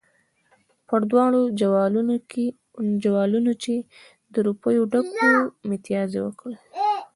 پر دواړو جوالونو چې له روپو ډک وو متیازې وکړې.